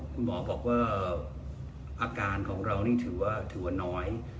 คุณหมอบอกว่าอาการของเรานี่ถือว่าน้อย